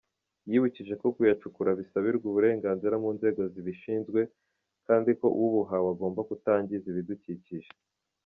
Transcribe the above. Yibukije ko kuyacukura bisabirwa uburenganzira mu nzego zibishinzwe, kandi ko ubuhawe agomba kutangiza ibidukikije.